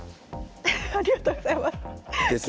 ありがとうございます。ですね。